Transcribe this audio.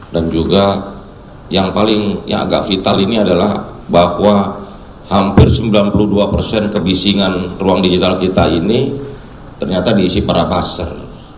dan juga yang paling agak vital ini adalah bahwa hampir sembilan puluh dua persen kebisingan ruang digital kita ini ternyata diisi para pasar